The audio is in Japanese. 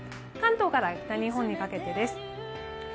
関東から北日本にかけてです。